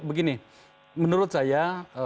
begini menurut saya